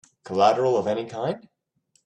Collateral of any kind?